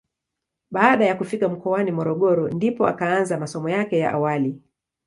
Baada ya kufika mkoani Morogoro ndipo akaanza masomo yake ya awali.